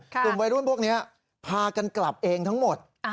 กลุ่มวัยรุ่นพวกนี้พากันกลับเองทั้งหมด